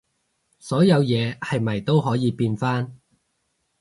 所有嘢係咪都可以變返